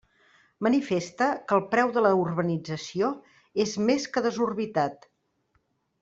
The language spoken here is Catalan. Manifesta que el preu de la urbanització és més que desorbitat.